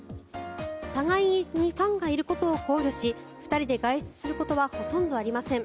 互いにファンがいることを考慮し２人で外出することはほとんどありません。